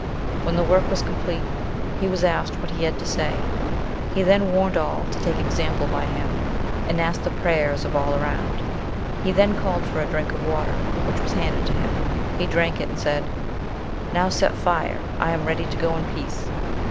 When the work was completed, he was asked what he had to say. He then warned all to take example by him, and asked the prayers of all around; he then called for a drink of water, which was handed to him; he drank it, and said, 'Now set fire I am ready to go in peace!'